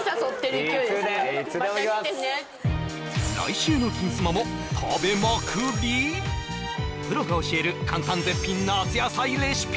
来週の「金スマ」もプロが教える簡単絶品夏野菜レシピ